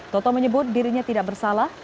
toto menyebut dirinya tidak bersalah